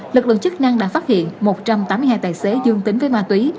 lực lượng chức năng đã phát hiện một trăm tám mươi hai tài xế dương tính với ma túy